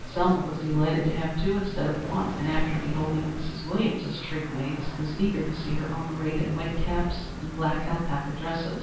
Selma was delighted to have two instead of one, and, after beholding Mrs. Williams's trig maids, was eager to see her own arrayed in white caps and black alpaca dresses.